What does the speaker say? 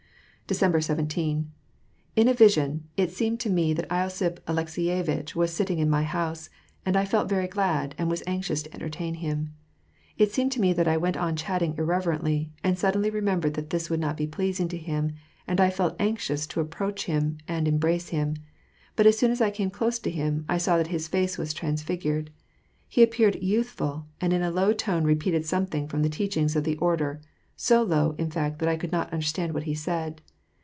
Decembkr 17. — In a vision, it seemed to me that losiph AlekaeyeviU^ was sitting in my house, and I felt very glad, and was anxious to entertain him. It seemed to me that I went on chatting irrelevantly, and suddenly re membered that this would not be pleasing to him, and I felt anxious to ap proach him and embrace him. Butas soon as I came close to him, I saw that his face was transfigured ; he appeared youthful, and in a low tone repeated something from the teachings of the Order; so low, in fact, that I could not understand what he said.